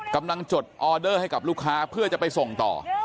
จดออเดอร์ให้กับลูกค้าเพื่อจะไปส่งต่อ